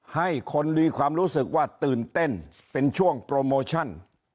ให้คนมีความรู้สึกว่าตื่นเต้นเป็นช่วงโปรโมชั่น